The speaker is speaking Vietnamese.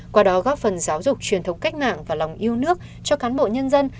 qua đó góp phần giáo dục truyền thống cách mạng và lòng yêu nước cho cán bộ nhân dân